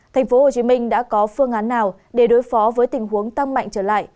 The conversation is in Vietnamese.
thành phố hồ chí minh đã có phương án nào để đối phó với tình huống tăng mạnh trở lại